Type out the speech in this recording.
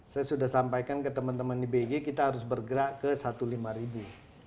saya sudah sampaikan ke teman teman di bg kita harus bergerak ke satu lima ribu